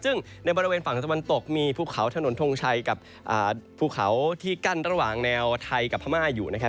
ซึ่งในบริเวณฝั่งตะวันตกมีภูเขาถนนทงชัยกับภูเขาที่กั้นระหว่างแนวไทยกับพม่าอยู่นะครับ